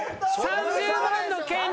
３０万の権利失う。